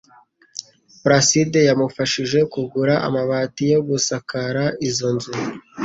Placide wamufashije kugura amabati yo gusakara izo nzu.